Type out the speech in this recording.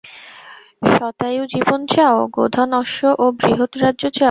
শতায়ু জীবন চাও, গোধন অশ্ব ও বৃহৎ রাজ্য চাও।